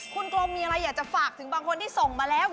คุณกรงมีอะไรอยากจะฝากถึงบางคนที่ส่งมาแล้ว